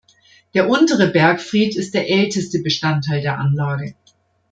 Der untere Bergfried ist der älteste Bestandteil der Anlage.